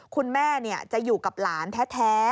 คุณแม่จะอยู่กับหลานแท้